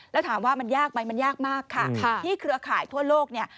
แล้วถามว่ามันยากไหมมันยากมากค่ะที่เครือข่ายทั่วโลกเนี่ย